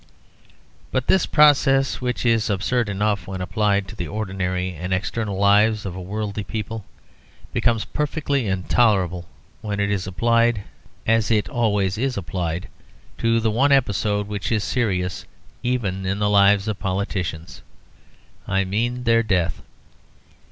But this process, which is absurd enough when applied to the ordinary and external lives of worldly people, becomes perfectly intolerable when it is applied, as it always is applied, to the one episode which is serious even in the lives of politicians. I mean their death.